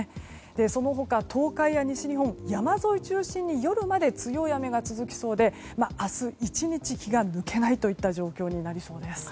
その他東海や西日本山沿い中心に夜まで強い雨が続きそうで明日、１日気が抜けないといった状況になりそうです。